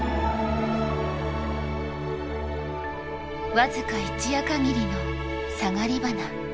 僅か一夜限りのサガリバナ。